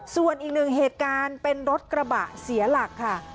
ส่วนอีกหนึ่งเหตุการณ์เป็นรถกระบะเสียหลักค่ะ